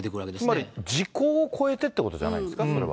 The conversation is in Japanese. つまり、時効を超えてということじゃないですか、それは。